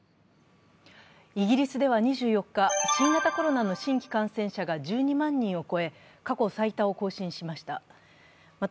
イギリスでは２４日、新型コロナの新規感染者が１２万人を超え、過去最多を更新しました。